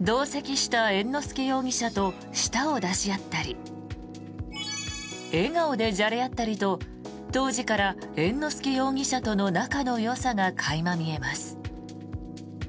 同席した猿之助容疑者と舌を出し合ったり笑顔でじゃれ合ったりと当時から猿之助容疑者との仲のよさが垣間見えます。